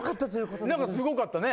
なんかすごかったね。